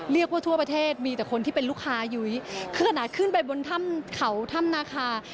เรียกว่าทั่วประเทศมีแต่คนที่เป็นลูกค้ายุ้ยขนาดขึ้นไปบนท่ำเขาท่ำนาคา